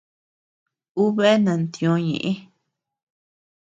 Ú bea nantiö ñeʼë.